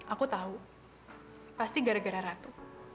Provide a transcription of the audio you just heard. aku tahu pasti gara gara ratu